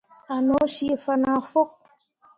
A no cii fana fok.